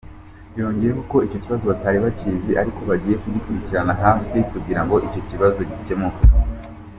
Yangeyeho ko icyo kibazo batari bakizi ariko bakaba bagiye kugikurikiranira hafi kugira ngo gikemuke.